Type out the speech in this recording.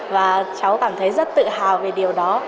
và cháu cảm thấy rất tự hào về điều đó